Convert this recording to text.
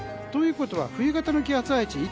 ということは冬型の気圧配置